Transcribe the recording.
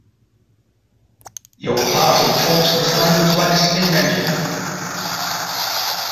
Your party talks this language like a steam engine.